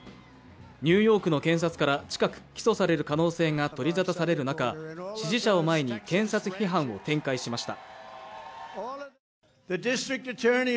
ニューヨークの検察から近く、起訴される可能性が取り沙汰される中支持者を前に検察批判を展開しました。